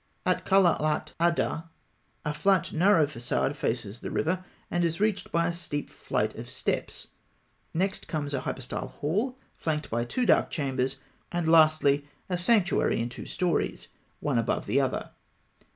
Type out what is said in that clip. At Kalaat Addah (fig. 88), a flat narrow façade (A) faces the river, and is reached by a steep flight of steps; next comes a hypostyle hall (B), flanked by two dark chambers (C), and lastly a sanctuary in two storeys, one above the other (D).